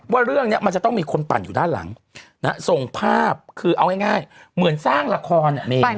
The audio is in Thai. ว่าเรื่องนี้มันจะต้องมีคนปั่นอยู่ด้านหลังส่งภาพคือเอาง่ายเหมือนสร้างละคร